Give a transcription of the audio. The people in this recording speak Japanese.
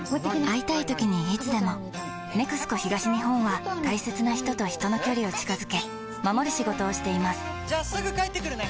会いたいときにいつでも「ＮＥＸＣＯ東日本」は大切な人と人の距離を近づけ守る仕事をしていますじゃあすぐ帰ってくるね！